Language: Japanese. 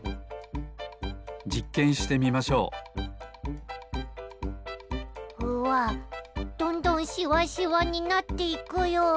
じっけんしてみましょううわっどんどんしわしわになっていくよ！